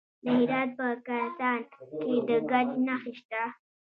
د هرات په کهسان کې د ګچ نښې شته.